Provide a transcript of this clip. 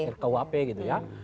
rkuhp gitu ya